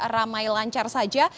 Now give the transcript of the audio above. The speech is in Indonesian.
ramai lancar saja